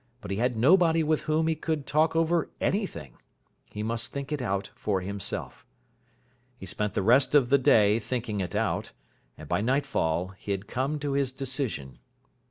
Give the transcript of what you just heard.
But he had nobody with whom he could talk over anything. He must think it out for himself. He spent the rest of the day thinking it out, and by nightfall he had come to his decision.